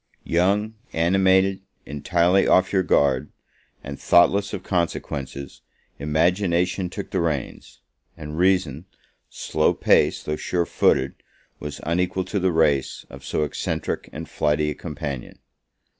Young, animated, entirely off your guard, and thoughtless of consequences, Imagination took the reins; and Reason, slow paced, though sure footed, was unequal to the race of so eccentric and flighty a companion.